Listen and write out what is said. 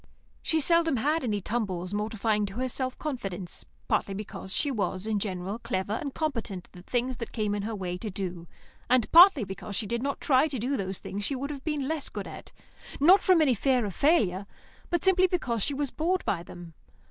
She seldom had any tumbles mortifying to her self confidence, partly because she was in general clever and competent at the things that came in her way to do, and partly because she did not try to do those she would have been less good at, not from any fear of failure, but simply because she was bored by them.